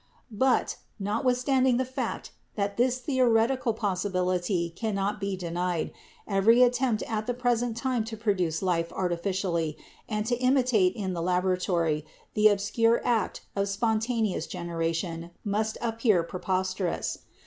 But, notwithstanding the fact that this theoretical pos sibility cannot be denied, every attempt at the present time to produce life artificially and to imitate in the laboratory the obscure act of spontaneous generation must appear preposterous.